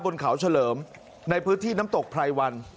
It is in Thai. บนเขาเฉลิมในพื้นที่น้ำตกไพรวัน